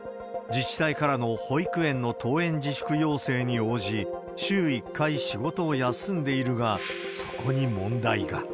自治体からの保育園の登園自粛要請に応じ、週１回仕事を休んでいるが、そこに問題が。